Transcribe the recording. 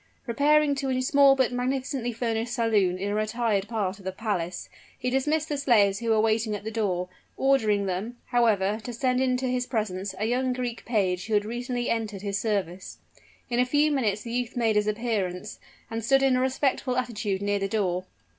Repairing to a small but magnificently furnished saloon in a retired part of the palace, he dismissed the slaves who were waiting at the door, ordering them, however, to send into his presence a young Greek page who had recently entered his service. In a few minutes the youth made his appearance, and stood in a respectful attitude near the door.